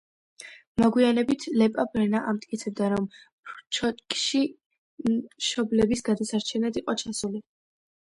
მოგვიანებით ლეპა ბრენა ამტკიცებდა რომ ბრჩკოში მშობლების გადასარჩენად იყო ჩასული.